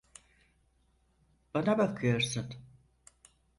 Bana bakıyorsun.